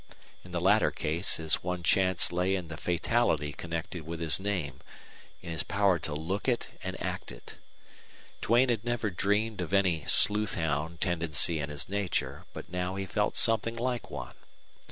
In the latter case his one chance lay in the fatality connected with his name, in his power to look it and act it. Duane had never dreamed of any sleuth hound tendency in his nature, but now he felt something like one.